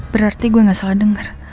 berarti gue gak salah dengar